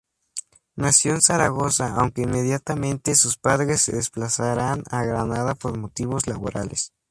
Nació en Zaragoza aunque inmediatamente sus padres se desplazaron a Granada por motivos laborales.